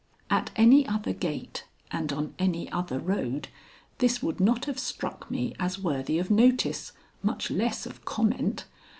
At any other gate and on any other road this would not have struck me as worthy of notice, much less of comment.